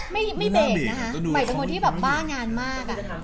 ไม่เบรกนะฮะใหม่เป็นคนที่บ้างานมาก